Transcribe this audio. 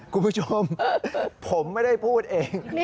คุณผู้ชมผมไม่ได้พูดเอง